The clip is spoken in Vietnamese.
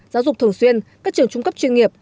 giáo dục thường xuyên các trường trung cấp chuyên nghiệp